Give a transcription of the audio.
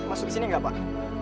masuk ke sini nggak pak